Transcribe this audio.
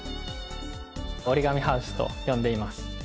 折り紙ハウスと呼んでいます。